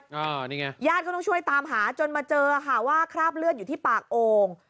นี่ไงญาติก็ต้องช่วยตามหาจนมาเจอค่ะว่าคราบเลือดอยู่ที่ปากโอ่ง